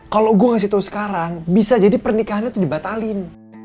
kalo gua kasih tau sekarang bisa jadi pernikahannya tuh dibatalin